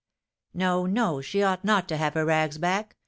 "No, no, she ought not to have her rags back!